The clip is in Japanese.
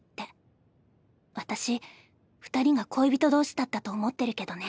私二人が恋人同士だったと思ってるけどね。